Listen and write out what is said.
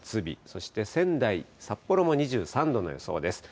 そして仙台、札幌が２３度の予想です。